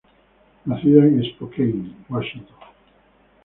Nacida en Spokane, Washington.